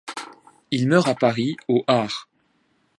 Il meurt à Paris, au arr.